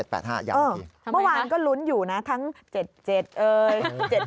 เมื่อวานก็ลุ้นอยู่นะทั้ง๗๗เอ่ย